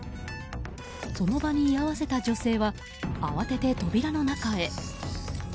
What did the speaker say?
その場に居合わせた女性は慌てて扉の中へ。